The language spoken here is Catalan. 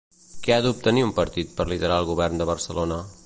Què ha d'obtenir un partit per liderar el govern de Barcelona?